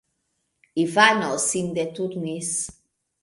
Ivano sin deturnis.